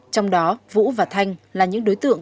trong đó vũ và thanh là những đối tượng